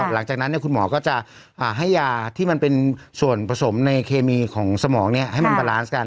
หลังจากนั้นคุณหมอก็จะให้ยาที่มันเป็นส่วนผสมในเคมีของสมองให้มันบาลานซ์กัน